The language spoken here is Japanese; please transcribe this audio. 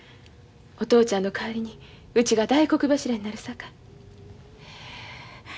お父ちゃんの代わりにうちが大黒柱になるさかい。